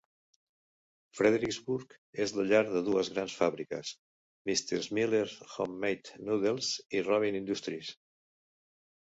Fredericksburg és la llar de dues grans fàbriques, Mrs. Miller's Homemade Noodles i Robin Industries.